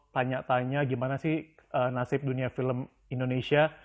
tanya tanya gimana sih nasib dunia film indonesia